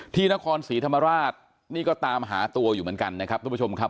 ที่นครศรีธรรมราชนี่ก็ตามหาตัวอยู่เหมือนกันนะครับทุกผู้ชมครับ